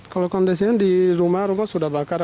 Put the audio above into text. kalau kondisinya di rumah rumah sudah bakar